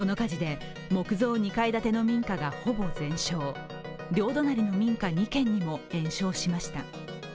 この火事で木造２階建ての民家がほぼ全焼両隣の民家２軒にも延焼しました。